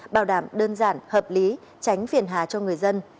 bảo đảm đơn giản hợp lý tránh phiền hà cho người dân